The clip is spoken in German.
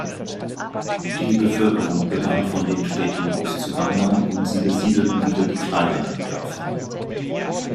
Die Bevölkerung begann von den Städten auszuwandern, und sie besiedelten wieder die kleineren Dörfer.